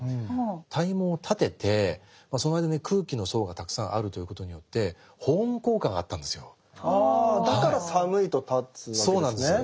体毛を立ててその間に空気の層がたくさんあるということによってああだから寒いと立つわけですね。